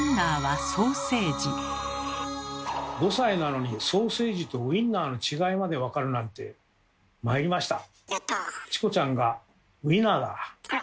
５歳なのにソーセージとウインナーの違いまで分かるなんてあら！